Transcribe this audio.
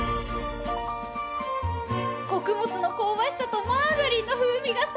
穀物の香ばしさとマーガリンの風味が最高！